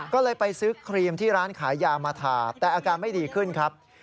ก็เลยไปซื้อครีมที่ร้านขายยามาทาแต่อาการไม่ดีขึ้นครับ